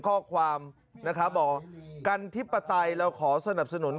ข้อความนะครับบอกกันธิปไตยเราขอสนับสนุน